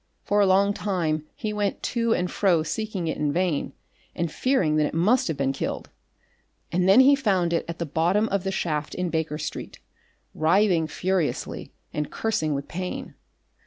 For a long time he went to and fro seeking it in vain and fearing that it must have been killed, and then he found it at the bottom of the shaft in Baker Street, writhing furiously and cursing with pain.